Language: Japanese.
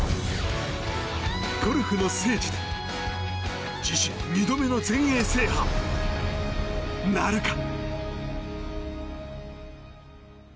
ゴルフの聖地で自身２度目の全英制覇なるか。